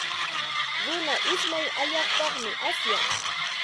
Runa ismay allaapaqmi asyan.